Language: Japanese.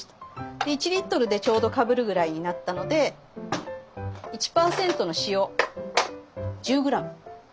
で１リットルでちょうどかぶるぐらいになったので１％の塩１０ｇ。